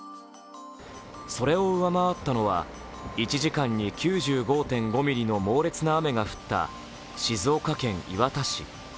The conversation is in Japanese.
それを上回ったのは、１時間に９５．５ミリの猛烈な雨が降った静岡県磐田市。